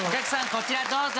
こちらどうぞ。